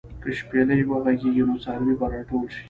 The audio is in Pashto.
که شپېلۍ وغږېږي، نو څاروي به راټول شي.